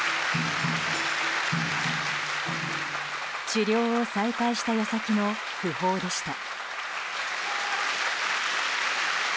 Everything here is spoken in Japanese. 治療を再開した矢先の訃報でした。